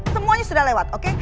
semuanya sudah lewat oke